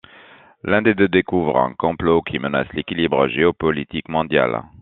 L'un des deux découvre un complot qui menace l'équilibre géopolitique mondial.